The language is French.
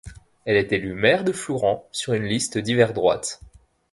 Elle est élue maire de Flourens sur une liste divers droite.